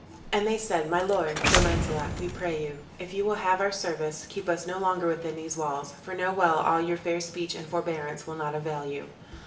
And they said, "My lord, Sir Launcelot, we pray you, if you will have our service keep us no longer within these walls, for know well all your fair speech and forbearance will not avail you."